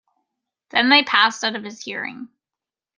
Then they passed out of his hearing.